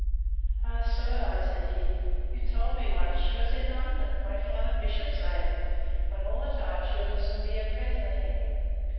Ah, sir I said he, you told me once she was in London, waiting on a bishop's lady, when all the time she was a severe prisoner here.